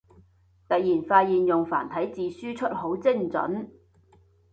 突然發現用繁體字輸出好精准